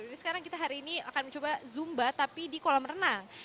jadi sekarang kita hari ini akan mencoba zumba tapi di kolam renang